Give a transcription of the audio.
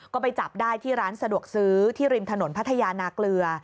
ก็ไปจับได้ที่ร้านสะดวกซื้อที่ริมถนนพัทยานาเกลือ